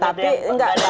tapi enggak boleh